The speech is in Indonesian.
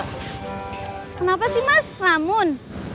kenapa sih mas lamun